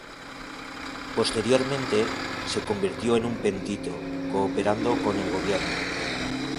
Posteriormente, se convirtió en un pentito, cooperando con el gobierno.